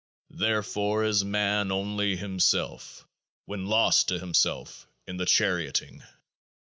Therefore is man only himself when lost to himself in The Charioting.